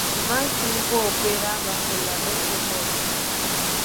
Maz Tiempo opera bajo la red de Movistar.